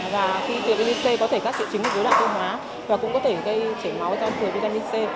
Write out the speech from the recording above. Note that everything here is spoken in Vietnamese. và khi thừa vitamin c có thể gác trị chính một đối đoạn tôn hóa và cũng có thể gây chảy máu cho thừa vitamin c